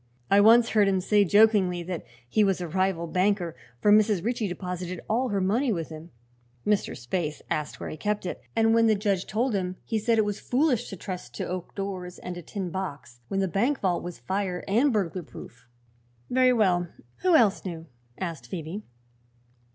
I once heard him say, jokingly, that he was a rival banker, for Mrs. Ritchie deposited all her money with him. Mr. Spaythe asked where he kept it, and when the judge told him he said it was foolish to trust to oak doors and a tin box when the bank vault was fire and burglar proof." "Very well; who else knew?" asked Phoebe.